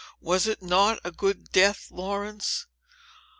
"Was it not a good death, Laurence?"